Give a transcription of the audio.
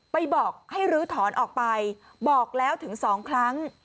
บอกให้ลื้อถอนออกไปบอกแล้วถึง๒ครั้ง